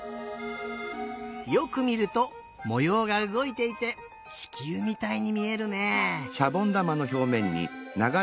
よくみるともようがうごいていてちきゅうみたいにみえるね！